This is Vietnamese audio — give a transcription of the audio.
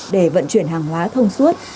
để vận chuyển hàng hóa thông suốt